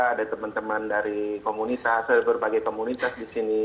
ada teman teman dari komunitas dari berbagai komunitas di sini